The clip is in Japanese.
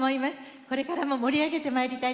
これからも盛り上げてまいりたいと思います。